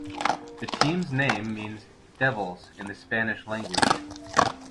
The team's name means "devils" in the Spanish language.